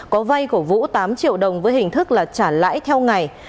có vay của vũ tám triệu đồng với hình thức là trả lãi theo ngày